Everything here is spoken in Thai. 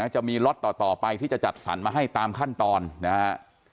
จะมีล็อตต่อไปที่จะจัดสรรมาให้ตามขั้นตอนนะครับ